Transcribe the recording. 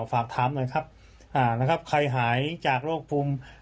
ฝากถามหน่อยครับนะครับใครหายจากโรคภูมิ